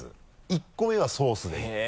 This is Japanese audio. １個目はソースでいって。